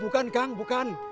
bukan kang bukan